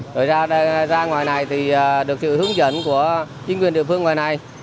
rồi ra ngoài này thì được sự hướng dẫn của chính quyền địa phương ngoài này